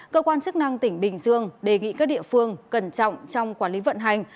cơ quan chức năng tỉnh bình dương đề nghị các địa phương cẩn trọng trong quản lý vận hành